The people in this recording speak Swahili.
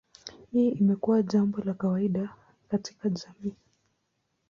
Hii imekuwa jambo la kawaida katika jamii.